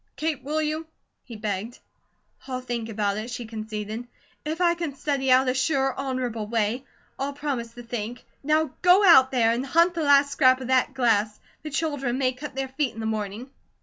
Kate, will you?" he begged. "I'll think about it," she conceded. "If I can study out a sure, honourable way. I'll promise to think. Now go out there, and hunt the last scrap of that glass; the children may cut their feet in the morning."